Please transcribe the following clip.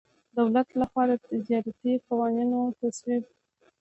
دولت له خوا د تجارتي قوانینو تصویب.